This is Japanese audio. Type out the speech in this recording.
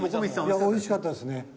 いやおいしかったですね。